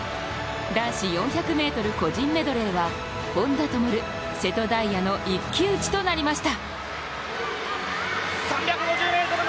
男子４００ｍ個人メドレーは、本多灯、瀬戸大也の一騎打ちとなりました。